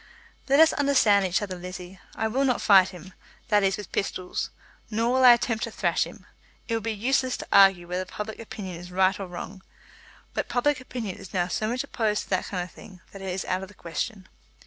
"Let us understand each other, Lizzie. I will not fight him, that is, with pistols; nor will I attempt to thrash him. It would be useless to argue whether public opinion is right or wrong; but public opinion is now so much opposed to that kind of thing, that it is out of the question.